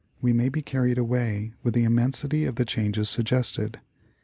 xxiii), we may be carried away with the immensity of the changes sug gested.